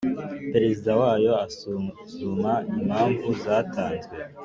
Perezida wayo asuzuma impamvu zatanzwe